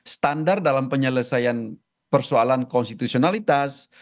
standar dalam penyelesaian persoalan konstitusionalitas